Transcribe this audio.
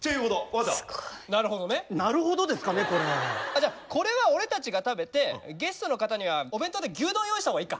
じゃあこれは俺たちが食べてゲストの方にはお弁当で牛丼用意した方がいいか。